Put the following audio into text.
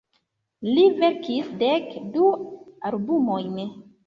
Li verkis dek du albumojn.